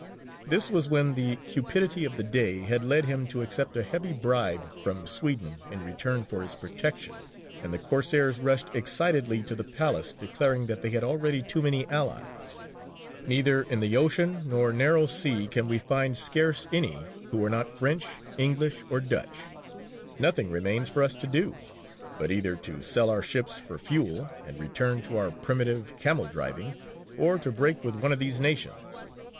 This was when the cupidity of the Dey had led him to accept a heavy bribe from Sweden in return for his protection, and the Corsairs rushed excitedly to the palace declaring that they had already too many allies: "Neither in the ocean nor narrow sea can we find scarce any who are not French, English, or Dutch; nothing remains for us to do, but either to sell our ships for fuel, and return to our primitive camel driving, or to break with one of these nations."